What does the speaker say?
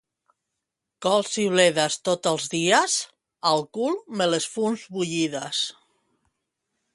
Cols i bledes tots els dies? Al cul me les fums bullides.